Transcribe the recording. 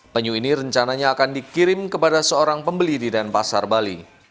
penyu ini rencananya akan dikirim kepada seorang pembeli di denpasar bali